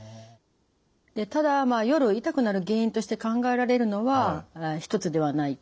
でただ夜痛くなる原因として考えられるのは一つではないと思います。